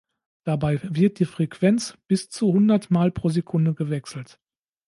Dabei wird die Frequenz bis zu hundertmal pro Sekunde gewechselt.